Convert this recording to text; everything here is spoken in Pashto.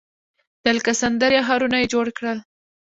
د الکسندریه ښارونه یې جوړ کړل